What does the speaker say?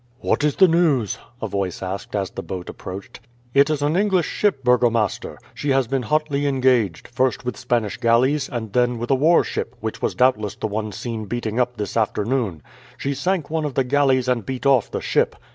"What is the news?" a voice asked as the boat approached. "It is an English ship, burgomaster. She has been hotly engaged; first with Spanish galleys, and then with a warship, which was doubtless the one seen beating up this afternoon. She sank one of the galleys and beat off the ship."